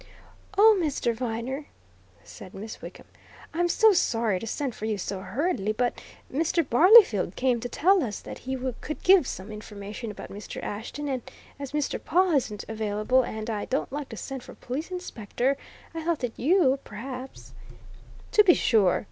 "Oh, Mr. Viner!" said Miss Wickham, "I'm so sorry to send for you so hurriedly, but Mr. Barleyfield came to tell us that he could give some information about Mr. Ashton, and as Mr. Pawle isn't available, and I don't like to send for a police inspector, I thought that you, perhaps " "To be sure!"